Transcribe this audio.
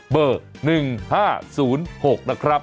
เบอร์๑๕๐๖นะครับ